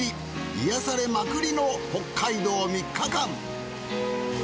癒やされまくりの北海道３日間！